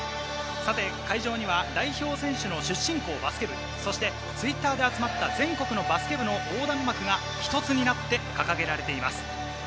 さて、会場には代表選手の出身校バスケ部、そしてＴｗｉｔｔｅｒで集まった全国のバスケ部の横断幕が一つになって掲げられています。